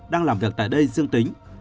đang làm việc tại đây dương tính